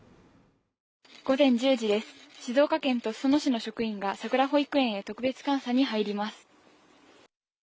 午前１０時で静岡県と裾野市の職員がさくら保育園へ特別監査に入ります